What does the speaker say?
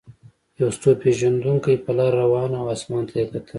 یو ستور پیژندونکی په لاره روان و او اسمان ته یې کتل.